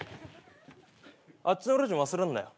あっちのレジも忘れんなよ。